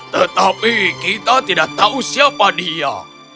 tetapi kita tidak tahu siapa dia